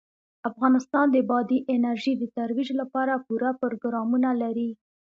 افغانستان د بادي انرژي د ترویج لپاره پوره پروګرامونه لري.